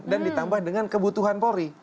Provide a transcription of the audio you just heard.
dan ditambah dengan kebutuhan polri